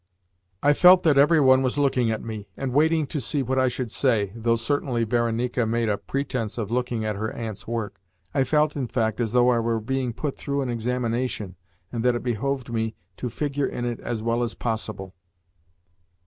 I felt that every one was looking at me, and waiting to see what I should say though certainly Varenika made a pretence of looking at her aunt's work. I felt, in fact, as though I were being put through an examination, and that it behoved me to figure in it as well as possible.